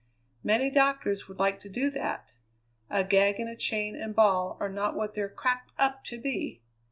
Many doctors would like to do that. A gag and a chain and ball are not what they're cracked up to be.